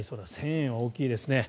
１０００円は大きいですね。